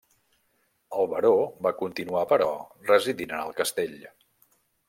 El baró va continuar, però, residint en el castell.